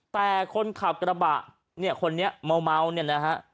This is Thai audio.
แต่คนขับกระบะเนี่ยคนนี้เมาเนี่ยนะฮะ